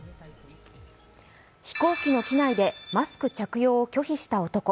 飛行機の機内でマスク着用を拒否した男。